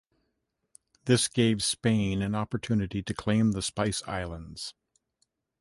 This gave Spain an opportunity to claim the Spice Islands.